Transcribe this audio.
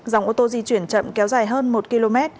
dòng ô tô di chuyển chậm kéo dài hơn một km